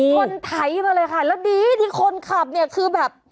ชนไถมาเลยค่ะแล้วดีที่คนขับเนี่ยคือแบบ